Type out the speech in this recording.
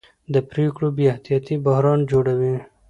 د پرېکړو بې احتیاطي بحران جوړوي